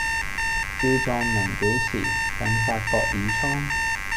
少壯能几時，鬢發各已蒼。